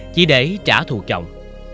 chỉ để trả thù chồng